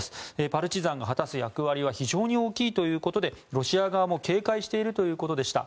パルチザンが果たす役割は非常に大きいということでロシア側も警戒しているということでした。